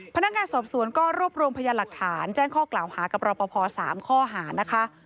พนักงานสอบสวนก็รวบรวมพยานหลักฐานแจ้งข้อกล่าวหากับรอปภ๓ข้อหานะคะ